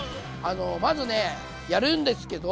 まずねやるんですけど。